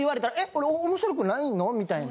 俺面白くないの？みたいな。